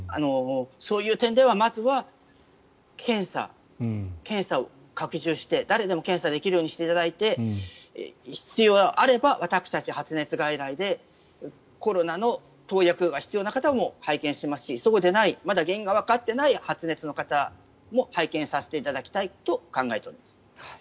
そういう点ではまずは検査を拡充して誰でも検査できるようにしていただいて必要があれば私たち発熱外来でコロナの投薬が必要な方も拝見しますしそうでないまだ原因がわかっていない発熱の方も拝見させていただきたいと考えております。